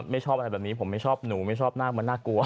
ชอบอะไรแบบนี้ผมไม่ชอบหนูไม่ชอบนาคมันน่ากลัว